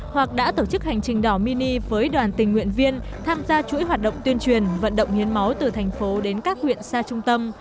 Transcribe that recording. hoặc đã tổ chức hành trình đỏ mini với đoàn tình nguyện viên tham gia chuỗi hoạt động tuyên truyền vận động hiến máu từ thành phố đến các huyện xa trung tâm